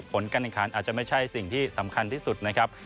ผลการแข่งขันอาจจะไม่ใช่สิ่งที่สำคัญที่สุดนะครับ